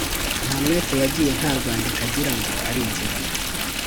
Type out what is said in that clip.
ntamwete yagiye nta rwandiko agira ngo arinjira